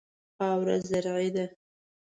خاوره زرعي ده.